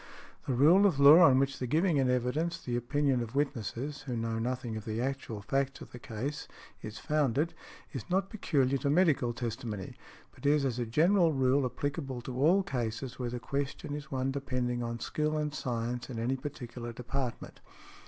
The rule of law on which the giving in evidence the opinion of witnesses, who know nothing of the actual facts of the case, is founded, is not peculiar to medical testimony, but is as a general rule applicable to all cases where the question is one depending on skill and science in any particular department.